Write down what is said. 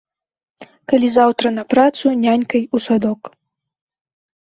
Калі заўтра на працу нянькай у садок.